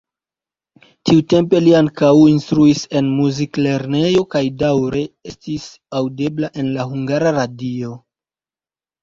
Tiutempe li ankaŭ instruis en muziklernejo kaj daŭre estis aŭdebla en la Hungara Radio.